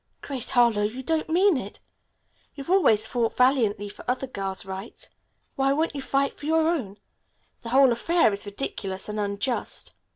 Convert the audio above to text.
"Grace Harlowe, you don't mean it? You've always fought valiantly for other girls' rights, why won't you fight for your own? The whole affair is ridiculous and unjust.